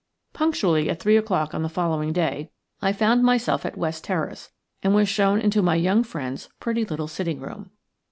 Punctually at three o'clock on the following day I found myself at West Terrace, and was shown into my young friend's pretty little sitting room.